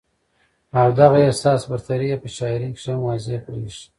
او دغه احساس برتري ئې پۀ شاعرۍ کښې هم واضحه برېښي